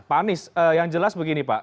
pak anies yang jelas begini pak